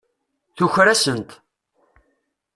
Tuker-asent.